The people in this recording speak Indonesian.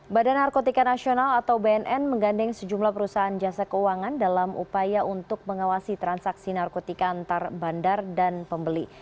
badan narkotika nasional atau bnn menggandeng sejumlah perusahaan jasa keuangan dalam upaya untuk mengawasi transaksi narkotika antar bandar dan pembeli